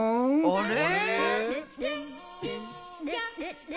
あれ？